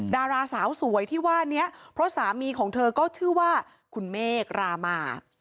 ดาราสาวสวยที่ว่านี้เพราะสามีของเธอก็ชื่อว่าคุณเมฆรามา